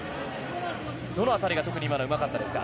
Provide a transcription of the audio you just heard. どの辺りが特に今のはうまかったですか？